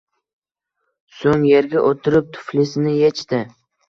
So’ng yerga o’tirib tuflisini yechdi